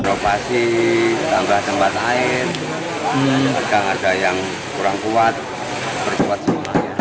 provasi tambah tempat air agak ada yang kurang kuat percuat semuanya